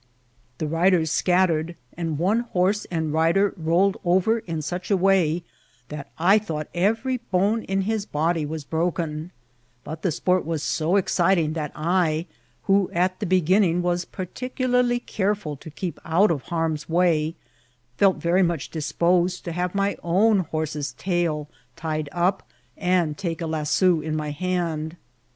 The riders scat MS IMCIDBITTS OV TBATIL. firedy and one hone and rider rolled oret in eoeli a way that I thought erery bone in his body was broken; but the qport was so exciting that I, who at the begin ning was particularly careful to keep out of harm's way, felt Tery much disposed to hsTe my own horse's tail tied up and take a laao in my hand.